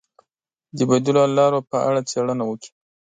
د بدیلو حل لارو په اړه څېړنه وکړئ.